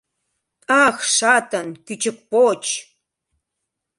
Ах, шатын, кӱчык поч!